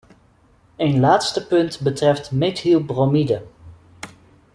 Een laatste punt betreft methylbromide.